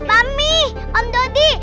mbak mi om dodi